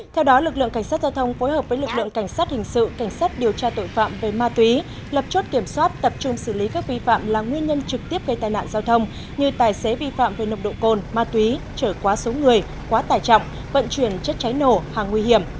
theo đó lực lượng cảnh sát giao thông phối hợp với lực lượng cảnh sát hình sự cảnh sát điều tra tội phạm về ma túy lập chốt kiểm soát tập trung xử lý các vi phạm là nguyên nhân trực tiếp gây tai nạn giao thông như tài xế vi phạm về nồng độ cồn ma túy trở quá số người quá tải trọng vận chuyển chất cháy nổ hàng nguy hiểm